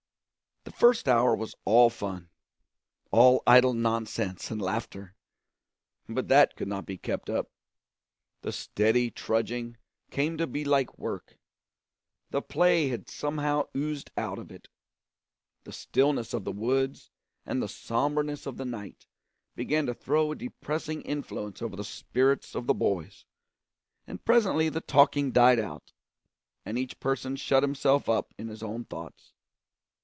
The first hour was all fun, all idle nonsense and laughter. But that could not be kept up. The steady trudging came to be like work; the play had somehow oozed out of it; the stillness of the woods and the sombreness of the night began to throw a depressing influence over the spirits of the boys, and presently the talking died out and each person shut himself up in his own thoughts.